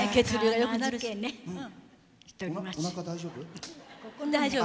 おなか大丈夫？